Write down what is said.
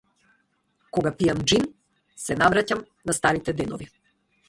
Кога пијам џин се навраќам на старите денови.